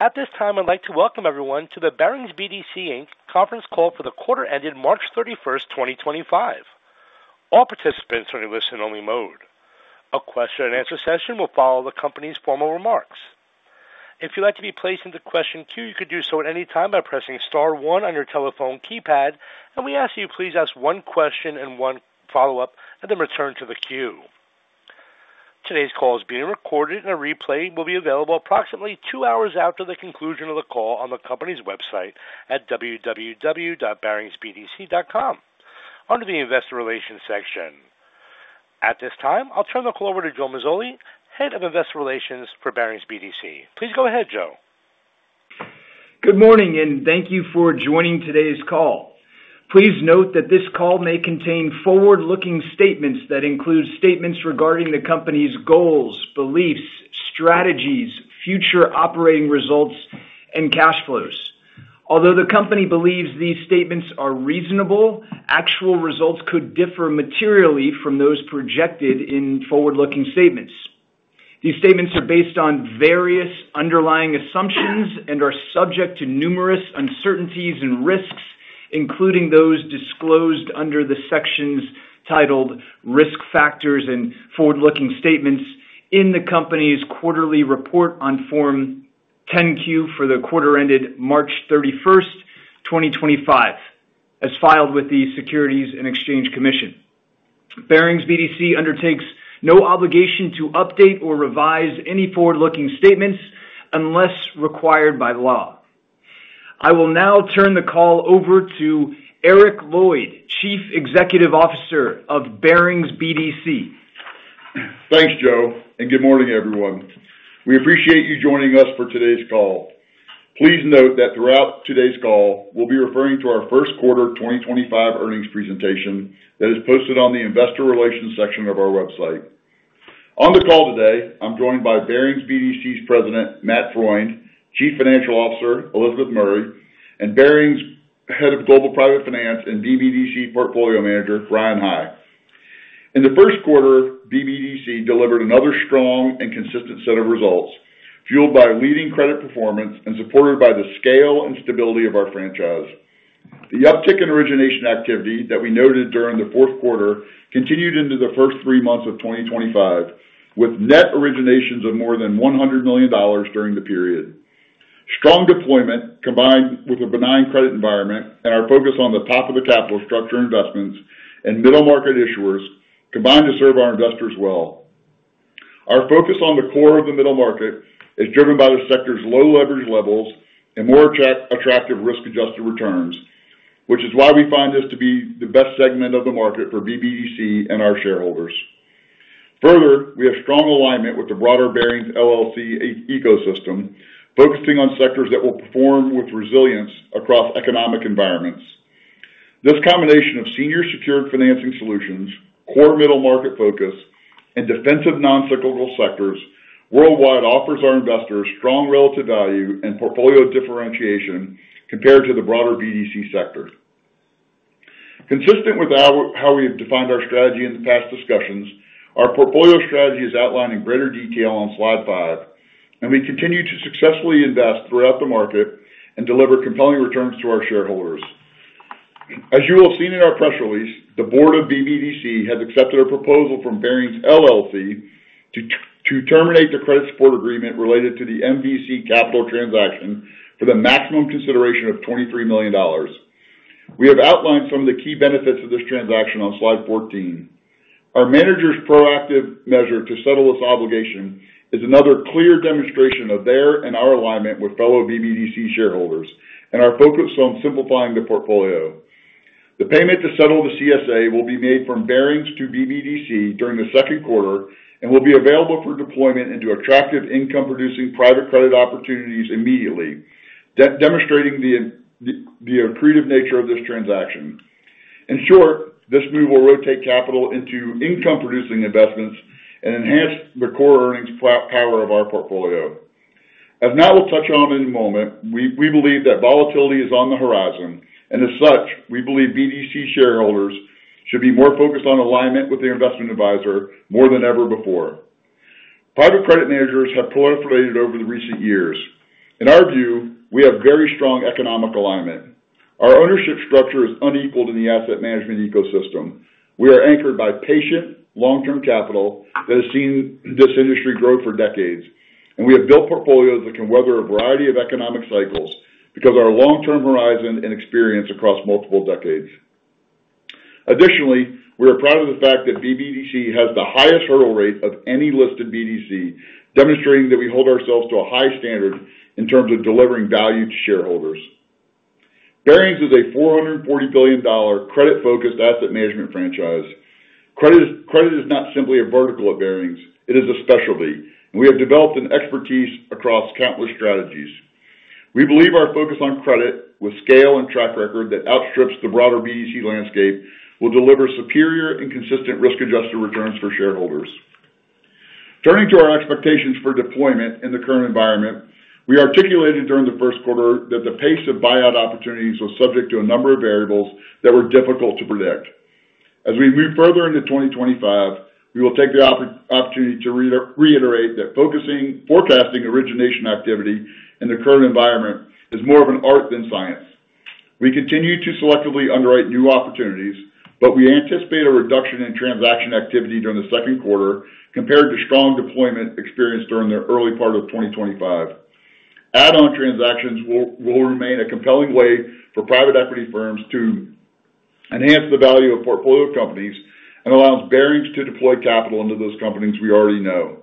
At this time, I'd like to welcome everyone to the Barings BDC Conference call for the quarter ended March 31, 2025. All participants are in listen-only mode. A question-and-answer session will follow the company's formal remarks. If you'd like to be placed into question queue, you could do so at any time by pressing star one on your telephone keypad, and we ask that you please ask one question and one follow-up, and then return to the queue. Today's call is being recorded, and a replay will be available approximately two hours after the conclusion of the call on the company's website at www.baringsbdc.com under the investor relations section. At this time, I'll turn the call over to Joe Mazzoli, Head of Investor Relations for Barings BDC. Please go ahead, Joe. Good morning, and thank you for joining today's call. Please note that this call may contain forward-looking statements that include statements regarding the company's goals, beliefs, strategies, future operating results, and cash flows. Although the company believes these statements are reasonable, actual results could differ materially from those projected in forward-looking statements. These statements are based on various underlying assumptions and are subject to numerous uncertainties and risks, including those disclosed under the sections titled risk factors and forward-looking statements in the company's quarterly report on Form 10Q for the quarter ended March 31, 2025, as filed with the Securities and Exchange Commission. Barings BDC undertakes no obligation to update or revise any forward-looking statements unless required by law. I will now turn the call over to Eric Lloyd, Chief Executive Officer of Barings BDC. Thanks, Joe, and good morning, everyone. We appreciate you joining us for today's call. Please note that throughout today's call, we'll be referring to our first quarter 2025 earnings presentation that is posted on the investor relations section of our website. On the call today, I'm joined by Barings BDC's President, Matt Freund, Chief Financial Officer, Elizabeth Murray, and Barings' Head of Global Private Finance and BBDC Portfolio Manager, Bryan High. In the first quarter, BBDC delivered another strong and consistent set of results, fueled by leading credit performance and supported by the scale and stability of our franchise. The uptick in origination activity that we noted during the fourth quarter continued into the first three months of 2025, with net originations of more than $100 million during the period. Strong deployment, combined with a benign credit environment and our focus on the top of the capital structure investments and middle market issuers, combined to serve our investors well. Our focus on the core of the middle market is driven by the sector's low leverage levels and more attractive risk-adjusted returns, which is why we find this to be the best segment of the market for BBDC and our shareholders. Further, we have strong alignment with the broader Barings LLC ecosystem, focusing on sectors that will perform with resilience across economic environments. This combination of senior secured financing solutions, core middle market focus, and defensive noncyclical sectors worldwide offers our investors strong relative value and portfolio differentiation compared to the broader BDC sector. Consistent with how we have defined our strategy in past discussions, our portfolio strategy is outlined in greater detail on slide five, and we continue to successfully invest throughout the market and deliver compelling returns to our shareholders. As you will have seen in our press release, the board of BBDC has accepted a proposal from Barings BDC to terminate the credit support agreement related to the MVC Capital transaction for the maximum consideration of $23 million. We have outlined some of the key benefits of this transaction on slide 14. Our manager's proactive measure to settle this obligation is another clear demonstration of their and our alignment with fellow BBDC shareholders and our focus on simplifying the portfolio. The payment to settle the CSA will be made from Barings to BBDC during the second quarter and will be available for deployment into attractive income-producing private credit opportunities immediately, demonstrating the accretive nature of this transaction. In short, this move will rotate capital into income-producing investments and enhance the core earnings power of our portfolio. As Matt will touch on in a moment, we believe that volatility is on the horizon, and as such, we believe BDC shareholders should be more focused on alignment with their investment advisor more than ever before. Private credit managers have proliferated over the recent years. In our view, we have very strong economic alignment. Our ownership structure is unequaled in the asset management ecosystem. We are anchored by patient, long-term capital that has seen this industry grow for decades, and we have built portfolios that can weather a variety of economic cycles because of our long-term horizon and experience across multiple decades. Additionally, we are proud of the fact that BBDC has the highest hurdle rate of any listed BDC, demonstrating that we hold ourselves to a high standard in terms of delivering value to shareholders. Barings is a $440 billion credit-focused asset management franchise. Credit is not simply a vertical at Barings; it is a specialty, and we have developed an expertise across countless strategies. We believe our focus on credit, with scale and track record that outstrips the broader BDC landscape, will deliver superior and consistent risk-adjusted returns for shareholders. Turning to our expectations for deployment in the current environment, we articulated during the first quarter that the pace of buyout opportunities was subject to a number of variables that were difficult to predict. As we move further into 2025, we will take the opportunity to reiterate that focusing forecasting origination activity in the current environment is more of an art than science. We continue to selectively underwrite new opportunities, but we anticipate a reduction in transaction activity during the second quarter compared to strong deployment experienced during the early part of 2025. Add-on transactions will remain a compelling way for private equity firms to enhance the value of portfolio companies and allows Barings to deploy capital into those companies we already know.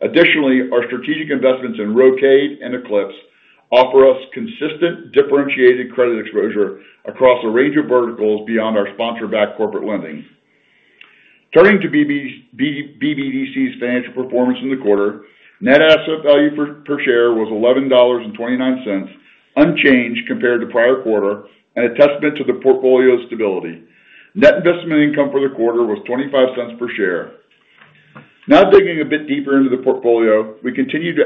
Additionally, our strategic investments in Rokade and Eclipse offer us consistent differentiated credit exposure across a range of verticals beyond our sponsor-backed corporate lending. Turning to BBDC's financial performance in the quarter, net asset value per share was $11.29, unchanged compared to prior quarter, an attestament to the portfolio's stability. Net investment income for the quarter was $0.25 per share. Now, digging a bit deeper into the portfolio, we continue to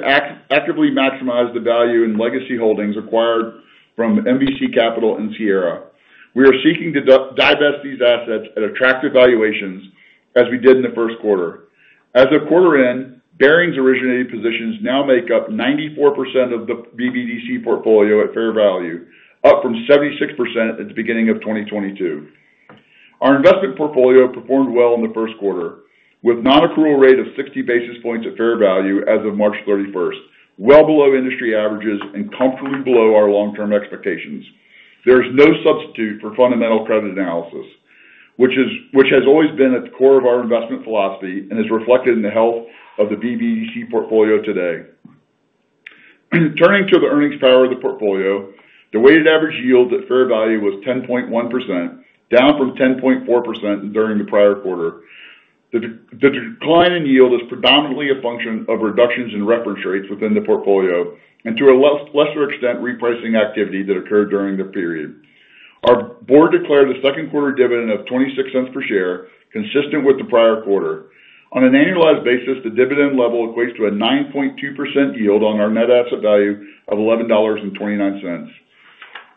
actively maximize the value in legacy holdings acquired from MVC Capital and Sierra. We are seeking to divest these assets at attractive valuations, as we did in the first quarter. As of quarter end, Barings originated positions now make up 94% of the BBDC portfolio at fair value, up from 76% at the beginning of 2022. Our investment portfolio performed well in the first quarter, with a non-accrual rate of 60 basis points at fair value as of March 31, well below industry averages and comfortably below our long-term expectations. There is no substitute for fundamental credit analysis, which has always been at the core of our investment philosophy and is reflected in the health of the BBDC portfolio today. Turning to the earnings power of the portfolio, the weighted average yield at fair value was 10.1%, down from 10.4% during the prior quarter. The decline in yield is predominantly a function of reductions in reference rates within the portfolio and, to a lesser extent, repricing activity that occurred during the period. Our board declared a second quarter dividend of $0.26 per share, consistent with the prior quarter. On an annualized basis, the dividend level equates to a 9.2% yield on our net asset value of $11.29.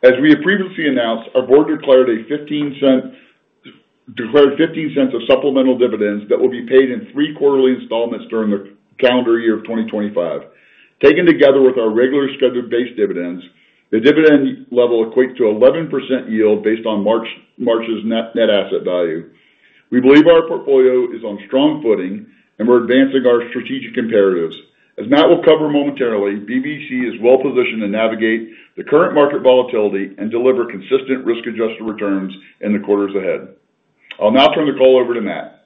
As we have previously announced, our board declared $0.15 of supplemental dividends that will be paid in three quarterly installments during the calendar year of 2025. Taken together with our regular scheduled-based dividends, the dividend level equates to an 11% yield based on March's net asset value. We believe our portfolio is on strong footing, and we're advancing our strategic imperatives. As Matt will cover momentarily, BBDC is well-positioned to navigate the current market volatility and deliver consistent risk-adjusted returns in the quarters ahead. I'll now turn the call over to Matt.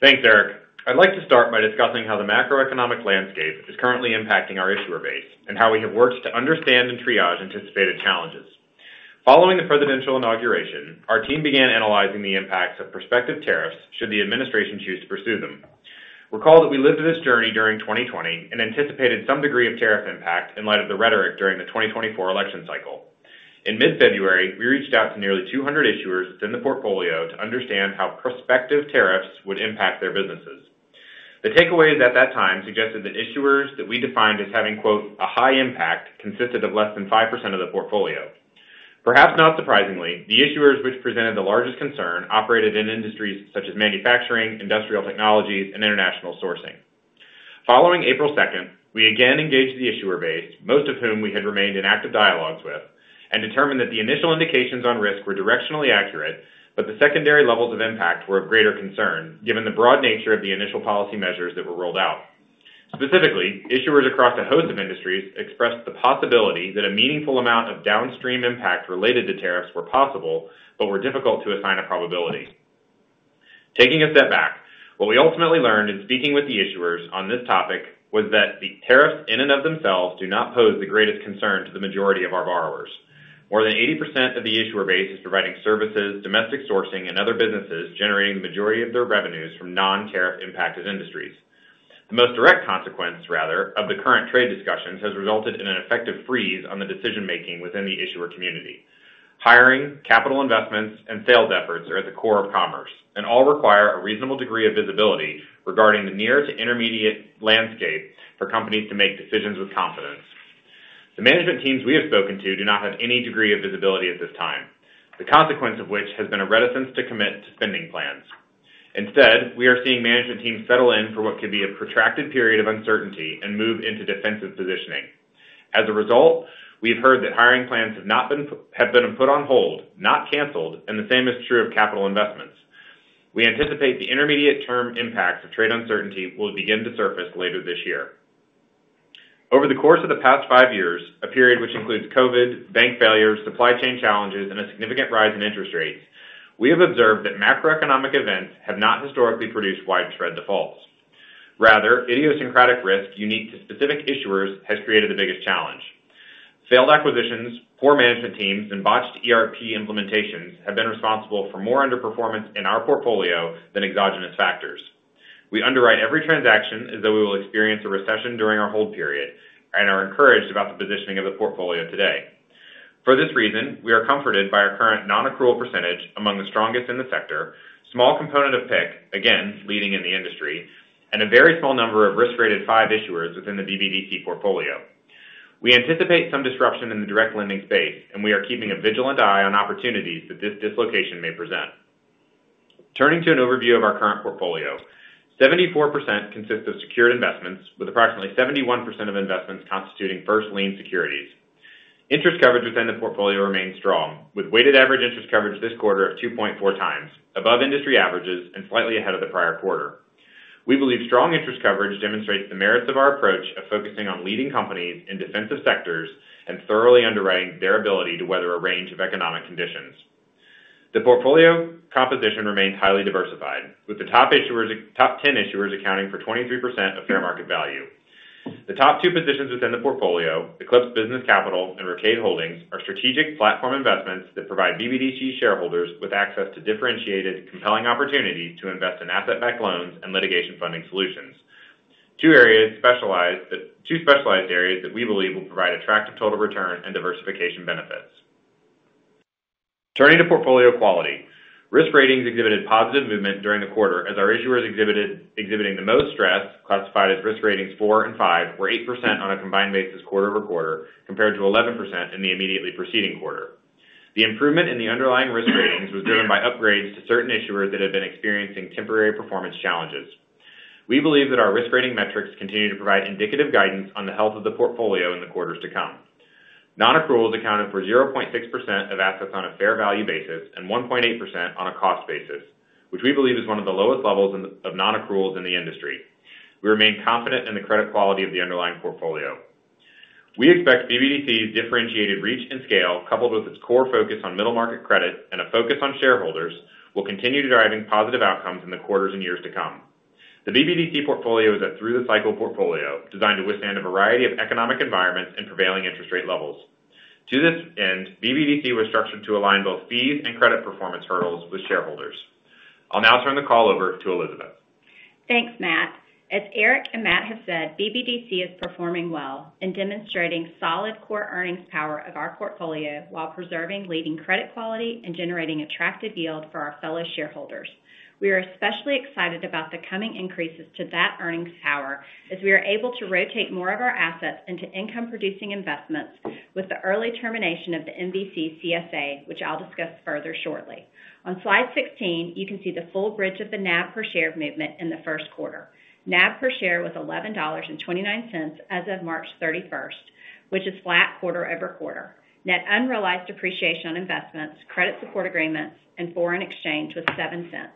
Thanks, Eric. I'd like to start by discussing how the macroeconomic landscape is currently impacting our issuer base and how we have worked to understand and triage anticipated challenges. Following the presidential inauguration, our team began analyzing the impacts of prospective tariffs should the administration choose to pursue them. Recall that we lived this journey during 2020 and anticipated some degree of tariff impact in light of the rhetoric during the 2024 election cycle. In mid-February, we reached out to nearly 200 issuers within the portfolio to understand how prospective tariffs would impact their businesses. The takeaways at that time suggested that issuers that we defined as having "a high impact" consisted of less than 5% of the portfolio. Perhaps not surprisingly, the issuers which presented the largest concern operated in industries such as manufacturing, industrial technologies, and international sourcing. Following April 2nd, we again engaged the issuer base, most of whom we had remained in active dialogues with, and determined that the initial indications on risk were directionally accurate, but the secondary levels of impact were of greater concern, given the broad nature of the initial policy measures that were rolled out. Specifically, issuers across a host of industries expressed the possibility that a meaningful amount of downstream impact related to tariffs were possible but were difficult to assign a probability. Taking a step back, what we ultimately learned in speaking with the issuers on this topic was that the tariffs in and of themselves do not pose the greatest concern to the majority of our borrowers. More than 80% of the issuer base is providing services, domestic sourcing, and other businesses generating the majority of their revenues from non-tariff-impacted industries. The most direct consequence, rather, of the current trade discussions has resulted in an effective freeze on the decision-making within the issuer community. Hiring, capital investments, and sales efforts are at the core of commerce and all require a reasonable degree of visibility regarding the near to intermediate landscape for companies to make decisions with confidence. The management teams we have spoken to do not have any degree of visibility at this time, the consequence of which has been a reticence to commit to spending plans. Instead, we are seeing management teams settle in for what could be a protracted period of uncertainty and move into defensive positioning. As a result, we have heard that hiring plans have been put on hold, not canceled, and the same is true of capital investments. We anticipate the intermediate-term impacts of trade uncertainty will begin to surface later this year. Over the course of the past five years, a period which includes COVID, bank failures, supply chain challenges, and a significant rise in interest rates, we have observed that macroeconomic events have not historically produced widespread defaults. Rather, idiosyncratic risk unique to specific issuers has created the biggest challenge. Failed acquisitions, poor management teams, and botched ERP implementations have been responsible for more underperformance in our portfolio than exogenous factors. We underwrite every transaction as though we will experience a recession during our hold period and are encouraged about the positioning of the portfolio today. For this reason, we are comforted by our current non-accrual percentage among the strongest in the sector, a small component of, again, leading in the industry, and a very small number of risk-rated five issuers within the BBDC portfolio. We anticipate some disruption in the direct lending space, and we are keeping a vigilant eye on opportunities that this dislocation may present. Turning to an overview of our current portfolio, 74% consists of secured investments, with approximately 71% of investments constituting first lien securities. Interest coverage within the portfolio remains strong, with weighted average interest coverage this quarter of 2.4x, above industry averages and slightly ahead of the prior quarter. We believe strong interest coverage demonstrates the merits of our approach of focusing on leading companies in defensive sectors and thoroughly underwriting their ability to weather a range of economic conditions. The portfolio composition remains highly diversified, with the top 10 issuers accounting for 23% of fair market value. The top two positions within the portfolio, Eclipse Business Capital and Rokade Holdings, are strategic platform investments that provide BBDC shareholders with access to differentiated, compelling opportunities to invest in asset-backed loans and litigation funding solutions, two specialized areas that we believe will provide attractive total return and diversification benefits. Turning to portfolio quality, risk ratings exhibited positive movement during the quarter as our issuers exhibiting the most stress, classified as risk ratings four and five, were 8% on a combined basis quarter over quarter compared to 11% in the immediately preceding quarter. The improvement in the underlying risk ratings was driven by upgrades to certain issuers that had been experiencing temporary performance challenges. We believe that our risk rating metrics continue to provide indicative guidance on the health of the portfolio in the quarters to come. Non-accruals accounted for 0.6% of assets on a fair value basis and 1.8% on a cost basis, which we believe is one of the lowest levels of non-accruals in the industry. We remain confident in the credit quality of the underlying portfolio. We expect BBDC's differentiated reach and scale, coupled with its core focus on middle market credit and a focus on shareholders, will continue to drive positive outcomes in the quarters and years to come. The BBDC portfolio is a through-the-cycle portfolio designed to withstand a variety of economic environments and prevailing interest rate levels. To this end, BBDC was structured to align both fees and credit performance hurdles with shareholders. I'll now turn the call over to Elizabeth. Thanks, Matt. As Eric and Matt have said, BBDC is performing well and demonstrating solid core earnings power of our portfolio while preserving leading credit quality and generating attractive yield for our fellow shareholders. We are especially excited about the coming increases to that earnings power as we are able to rotate more of our assets into income-producing investments with the early termination of the MVC CSA, which I'll discuss further shortly. On slide 16, you can see the full bridge of the NAV per share movement in the first quarter. NAV per share was $11.29 as of March 31, which is flat quarter over quarter. Net unrealized appreciation on investments, credit support agreements, and foreign exchange was $0.07.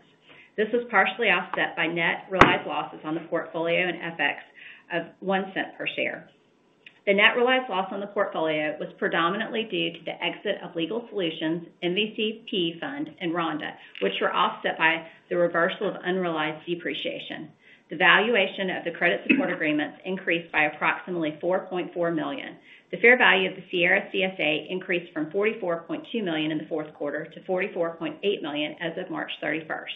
This was partially offset by net realized losses on the portfolio in FX of $0.01 per share. The net realized loss on the portfolio was predominantly due to the exit of Legal Solutions, MVCP Fund, and Ronda, which were offset by the reversal of unrealized depreciation. The valuation of the credit support agreements increased by approximately $4.4 million. The fair value of the Sierra CSA increased from $44.2 million in the fourth quarter to $44.8 million as of March 31st.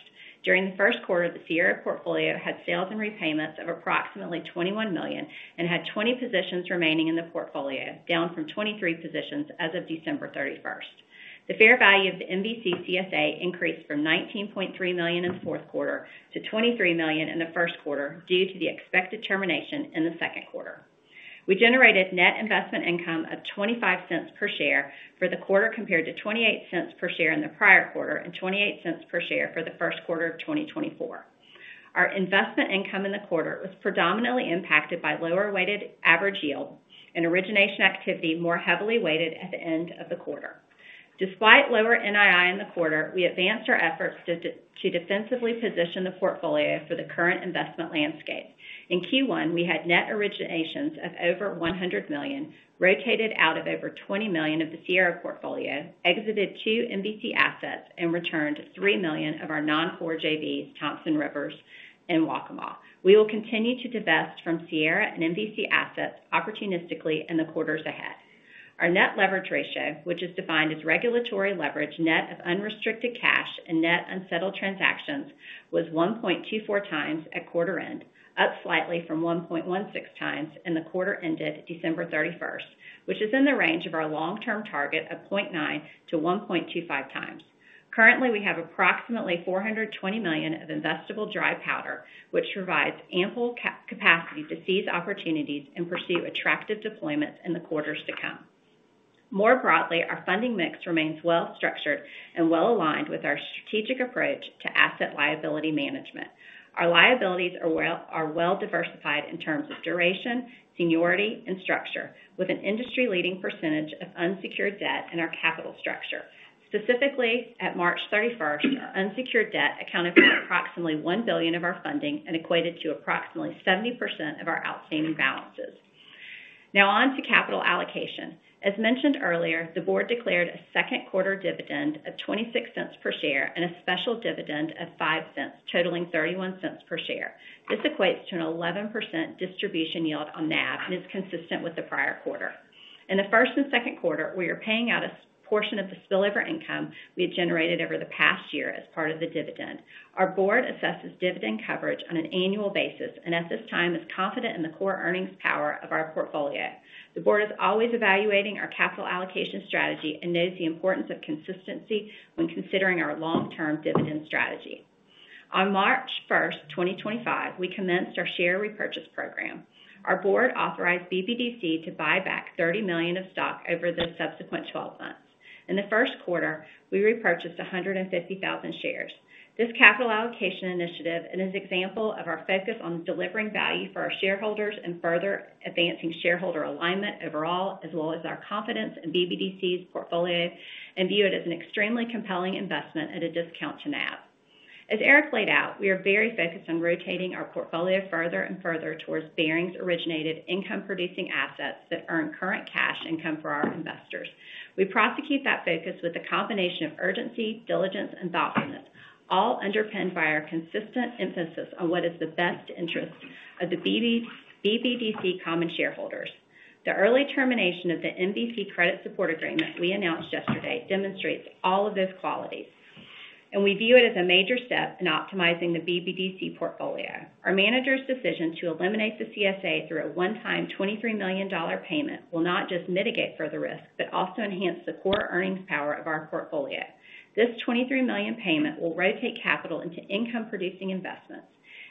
During the first quarter, the Sierra portfolio had sales and repayments of approximately $21 million and had 20 positions remaining in the portfolio, down from 23 positions as of December 31st. The fair value of the MVC CSA increased from $19.3 million in the fourth quarter to $23 million in the first quarter due to the expected termination in the second quarter. We generated net investment income of $0.25 per share for the quarter compared to $0.28 per share in the prior quarter and $0.28 per share for the first quarter of 2024. Our investment income in the quarter was predominantly impacted by lower-weighted average yield and origination activity more heavily weighted at the end of the quarter. Despite lower NII in the quarter, we advanced our efforts to defensively position the portfolio for the current investment landscape. In Q1, we had net originations of over $100 million, rotated out of over $20 million of the Sierra portfolio, exited two MVC assets, and returned $3 million of our non-core JBs, Thompson Rivers, and Waccamaw. We will continue to divest from Sierra and MVC assets opportunistically in the quarters ahead. Our net leverage ratio, which is defined as regulatory leverage net of unrestricted cash and net unsettled transactions, was 1.24x at quarter end, up slightly from 1.16x in the quarter ended December 31, which is in the range of our long-term target of 0.9x-1.25x. Currently, we have approximately $420 million of investable dry powder, which provides ample capacity to seize opportunities and pursue attractive deployments in the quarters to come. More broadly, our funding mix remains well-structured and well-aligned with our strategic approach to asset liability management. Our liabilities are well-diversified in terms of duration, seniority, and structure, with an industry-leading percentage of unsecured debt in our capital structure. Specifically, at March 31, our unsecured debt accounted for approximately $1 billion of our funding and equated to approximately 70% of our outstanding balances. Now on to capital allocation. As mentioned earlier, the board declared a second quarter dividend of $0.26 per share and a special dividend of $0.05, totaling $0.31 per share. This equates to an 11% distribution yield on NAV and is consistent with the prior quarter. In the first and second quarter, we are paying out a portion of the spillover income we had generated over the past year as part of the dividend. Our board assesses dividend coverage on an annual basis and at this time is confident in the core earnings power of our portfolio. The board is always evaluating our capital allocation strategy and knows the importance of consistency when considering our long-term dividend strategy. On March 1, 2025, we commenced our share repurchase program. Our board authorized BBDC to buy back $30 million of stock over the subsequent 12 months. In the first quarter, we repurchased 150,000 shares. This capital allocation initiative is an example of our focus on delivering value for our shareholders and further advancing shareholder alignment overall, as well as our confidence in BBDC's portfolio, and view it as an extremely compelling investment at a discount to NAV. As Eric laid out, we are very focused on rotating our portfolio further and further towards Barings-originated income-producing assets that earn current cash income for our investors. We prosecute that focus with a combination of urgency, diligence, and thoughtfulness, all underpinned by our consistent emphasis on what is the best interest of the BBDC common shareholders. The early termination of the MVC credit support agreement we announced yesterday demonstrates all of those qualities, and we view it as a major step in optimizing the BBDC portfolio. Our manager's decision to eliminate the CSA through a one-time $23 million payment will not just mitigate further risk, but also enhance the core earnings power of our portfolio. This $23 million payment will rotate capital into income-producing investments.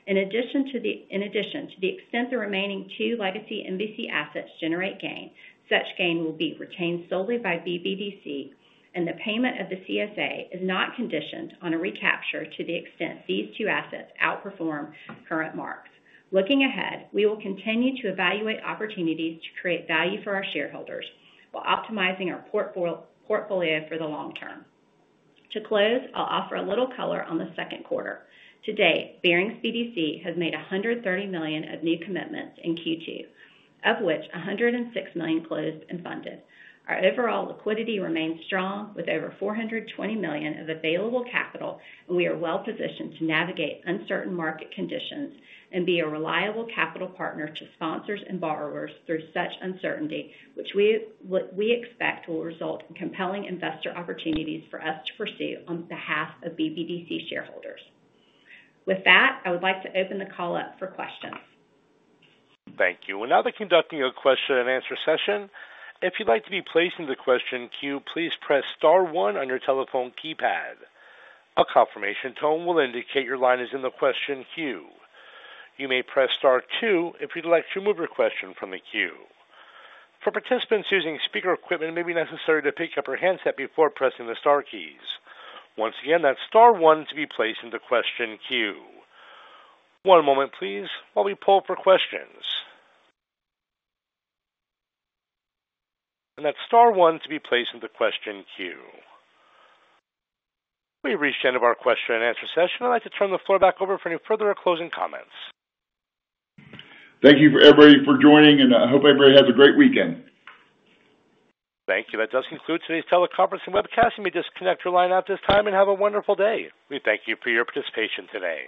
In addition, to the extent the remaining two legacy MVC assets generate gain, such gain will be retained solely by BBDC, and the payment of the CSA is not conditioned on a recapture to the extent these two assets outperform current marks. Looking ahead, we will continue to evaluate opportunities to create value for our shareholders while optimizing our portfolio for the long term. To close, I'll offer a little color on the second quarter. To date, Barings BDC has made $130 million of new commitments in Q2, of which $106 million closed and funded. Our overall liquidity remains strong with over $420 million of available capital, and we are well-positioned to navigate uncertain market conditions and be a reliable capital partner to sponsors and borrowers through such uncertainty, which we expect will result in compelling investor opportunities for us to pursue on behalf of BBDC shareholders. With that, I would like to open the call up for questions. Thank you. We're now conducting a question-and-answer session. If you'd like to be placed in the question queue, please press star one on your telephone keypad. A confirmation tone will indicate your line is in the question queue. You may press star two if you'd like to remove your question from the queue. For participants using speaker equipment, it may be necessary to pick up your handset before pressing the star keys. Once again, that's star one to be placed in the question queue. One moment, please, while we pull up our questions. That's star one to be placed in the question queue. We've reached the end of our question-and-answer session. I'd like to turn the floor back over for any further or closing comments. Thank you, everybody, for joining, and I hope everybody has a great weekend. Thank you. That does conclude today's teleconferencing webcast. You may disconnect your line at this time and have a wonderful day. We thank you for your participation today.